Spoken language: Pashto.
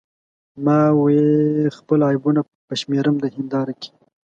ما وې خپل عیبونه به شمیرم د هنداره کې